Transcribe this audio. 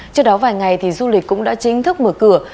trước đó vài ngày thì du lịch cũng đã chính thức mở cửa